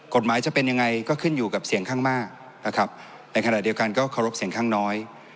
กฎหมายจะเป็นยังไงก็ขึ้นอยู่กับเสียงข้างมากนะครับในขณะเดียวกันก็เคารพเสียงข้างน้อย